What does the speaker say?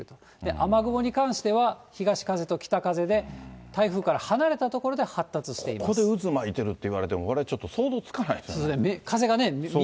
雨雲に関しては、東風と北風で、台風から離れた所で発達していまここで渦巻いてるって言われても、われわれちょっと想像つかないですよ。